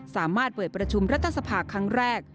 สามารถเปิดประชุมรัฐสภาครั้งแรก